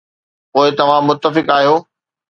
پوء توهان متفق آهيو؟